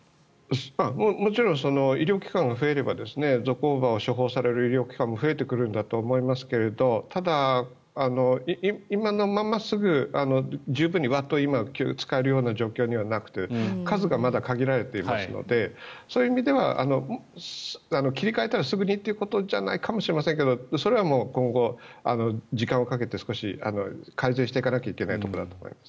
もちろん医療機関が増えればゾコーバを処方される医療機関も増えてくるんだと思いますがただ、今のまますぐに十分にワッと急に使える状況にはなくて数がまだ限られていますのでそういう意味では、切り替えたらすぐにということじゃないかもしれませんがそれは今後時間をかけて少し改善していかなければいけないところだと思います。